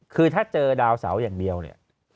คือถ้าเจอดาวเสาอย่างเดียวเนี่ย